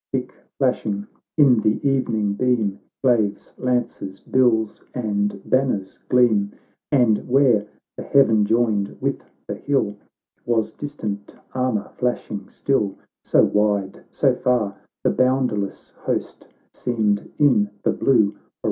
Thick flashing in the evening beam, Glaives, lances, bills, and banners gleam"; And where the heaven joined with the hill, Was distant armour flashing still, So wide, so far, the boundless host Seemed in the blue horizon lost.